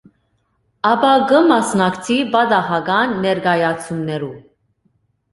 Ապա կը մասնակցի պատահական ներկայացումներու։